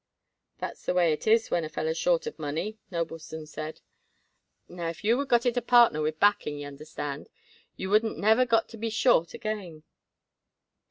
"That's the way it is when a feller's short of money," Noblestone said. "Now, if you would got it a partner with backing, y'understand, you wouldn't never got to be short again."